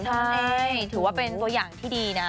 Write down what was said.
ใช่ถือว่าเป็นตัวอย่างที่ดีนะ